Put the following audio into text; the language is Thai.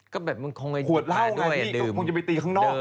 ก็แบบมึงคงไปดูป่าด้วยดื่มขวดเหล้าน่ะนี่คงจะไปตีข้างนอก